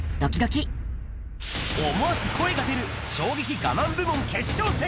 思わず声が出る衝撃我慢部門決勝戦。